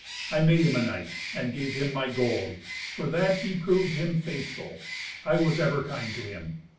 I made him a knight, and gave him my gold. For that he proved him faithful, I was ever kind to him.